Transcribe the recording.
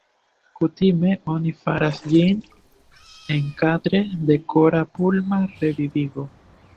Kutime oni faras ĝin enkadre de kora-pulma revivigo.